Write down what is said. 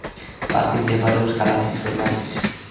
პარკი მდებარეობს ქალაქის ძველ ნაწილში.